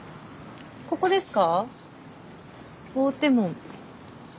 ここですか？